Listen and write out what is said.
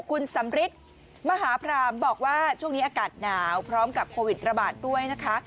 คุณสำริทมหาพรามบอกว่าช่วงนี้อากาศหนาวพร้อมกับโควิดระบาดด้วยนะคะ